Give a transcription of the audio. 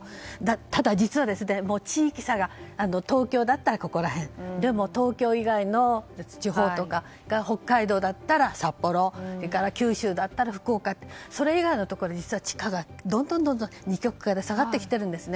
ただ、実は地域差が東京だったらここら辺でも東京以外の地方とか北海道だったら札幌それから九州だったら福岡それ以外のところ実は地価がどんどん二極化で下がってきているんです。